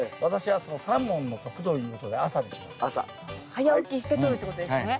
早起きしてとるってことですよね。